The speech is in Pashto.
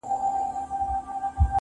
o نه پنډت ووهلم، نه راهب فتواء ورکړه خو.